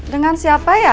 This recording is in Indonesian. dengan siapa ya